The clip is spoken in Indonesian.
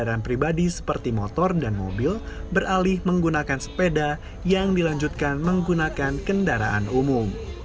kendaraan pribadi seperti motor dan mobil beralih menggunakan sepeda yang dilanjutkan menggunakan kendaraan umum